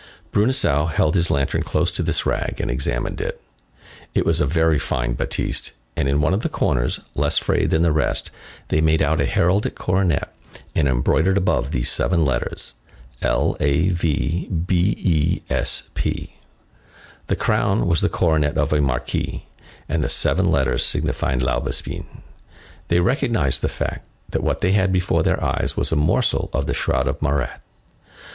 Bruneseau held his lantern close to this rag and examined it. It was of very fine batiste, and in one of the corners, less frayed than the rest, they made out a heraldic coronet and embroidered above these seven letters: LAVBESP. The crown was the coronet of a Marquis, and the seven letters signified Laubespine. They recognized the fact, that what they had before their eyes was a morsel of the shroud of Marat.